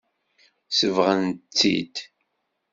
Sebɣen-tt-id.